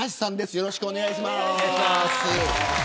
よろしくお願いします。